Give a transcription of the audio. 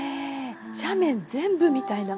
斜面全部みたいな。